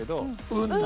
運だ。